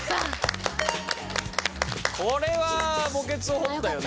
これは墓穴を掘ったよね。